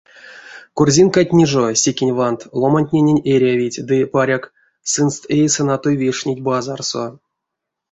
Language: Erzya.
Корзинкатне жо, секень вант, ломантненень эрявить ды, паряк, сынст эйсэ натой вешнить базарсо.